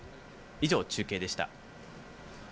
以上、中継でした。